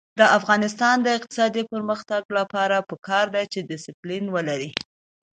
د افغانستان د اقتصادي پرمختګ لپاره پکار ده چې دسپلین ولرو.